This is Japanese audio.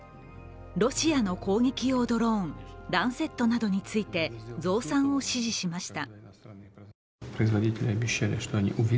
ロシアの攻撃用ドローンランセットなどについて増産を指示しました。